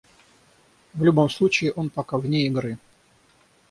В любом случае, он пока вне игры.